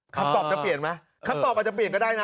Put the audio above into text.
คำตอบจะเปลี่ยนไหมคำตอบอาจจะเปลี่ยนก็ได้นะ